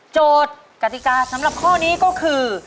โจทย์กติกาสำหรับข้อนี้ก็คือ